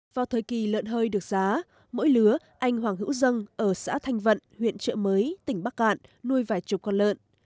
vào thời kỳ lợn hơi được giá mỗi lứa anh hoàng hữu dân ở xã thanh vận huyện trợ mới tỉnh bắc cạn nuôi vài chục con lợn